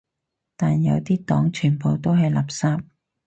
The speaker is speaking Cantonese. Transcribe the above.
但有啲黨全部都係垃圾